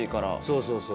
そうそうそう。